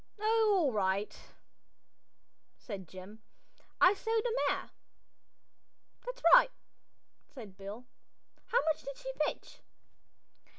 "Oh, all right," said Jim. "I sold the mare." "That's right," said Bill. "How much did she fetch?"